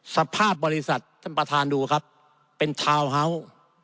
สภาพบริษัทท่านประธานดูครับเป็นทาวน์เฮาส์